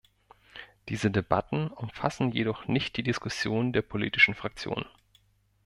Diese Debatten umfassen jedoch nicht die Diskussionen der politischen Fraktionen.